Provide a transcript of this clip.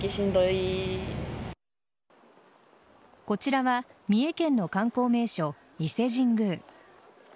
こちらは三重県の観光名所、伊勢神宮。